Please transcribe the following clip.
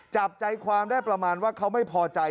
จับใจความได้ประมาณว่าเขาไม่พอใจ